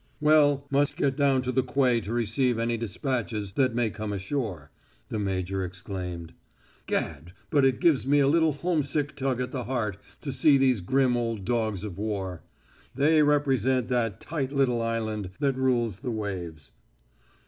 "Well, must get down to the quay to receive any despatches that may come ashore," the major exclaimed. "Gad, but it gives me a little homesick tug at the heart to see these grim old dogs of war. They represent that tight little island that rules the waves."